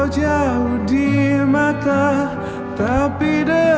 jagain kamis ya